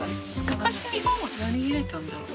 昔日本は何入れたんだろう？